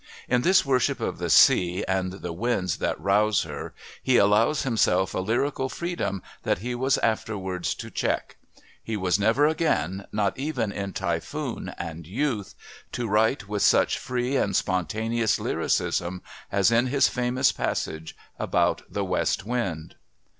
In this worship of the Sea and the winds that rouse her he allows himself a lyrical freedom that he was afterwards to check. He was never again, not even in Typhoon and Youth, to write with such free and spontaneous lyricism as in his famous passage about the "West Wind."